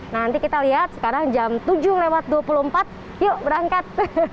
nanti kita lihat sekarang jam tujuh lewat dua puluh empat yuk berangkat